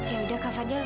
yaudah kak fadil